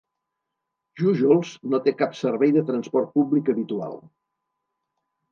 Jújols no té cap servei de transport públic habitual.